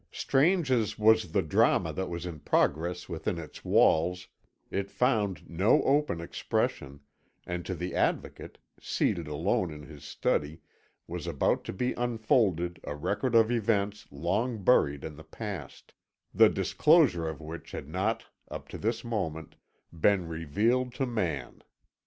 Strange as was the drama that was in progress within its walls it found no open expression, and to the Advocate, seated alone in his study, was about to be unfolded a record of events long buried in the past, the disclosure of which had not, up to this moment, been revealed to man.